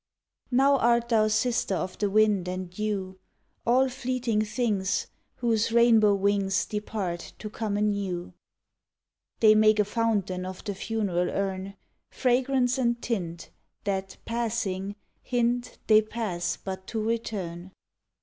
Now art thou sister of the wind and dew All fleeting things Whose rainbow wings Depart to come anew. They make a fountain of the funeral urn Fragrance and tint That, passing, hint They pass but to return.